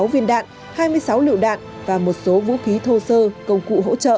một tám trăm hai mươi sáu viên đạn hai mươi sáu lựu đạn và một số vũ khí thô sơ công cụ hỗ trợ